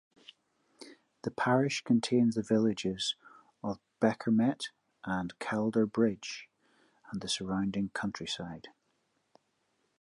The parish contains the villages of Beckermet and Calder Bridge and the surrounding countryside.